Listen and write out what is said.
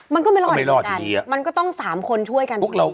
มันก็ไม่รอดอย่างเดียวกันมันก็ต้อง๓คนช่วยกันที